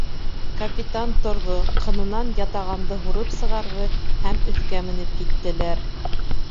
Капитан торҙо, ҡынынан ятағанды һурып сығарҙы һәм өҫкә менеп киттеләр.